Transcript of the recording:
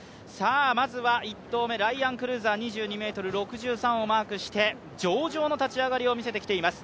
まずは１投目、ライアン・クルーザー２２ｍ６３をマークして上々の立ち上がりを見せてきています。